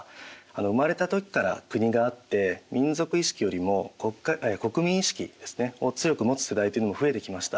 生まれた時から国があって民族意識よりも国民意識ですねを強く持つ世代というのも増えてきました。